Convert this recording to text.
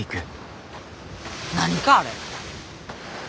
何かあれ。